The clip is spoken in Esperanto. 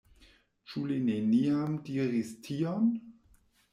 Ĉu li neniam diris tion?